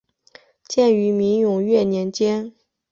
建于明永乐年间。